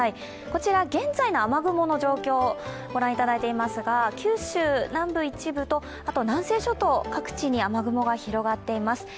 こちら、現在の雨雲の状況、御覧いただいていますが九州南部一部と南西諸島各地に雨雲が広がっています。